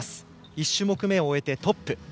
１種目めを終えてトップ。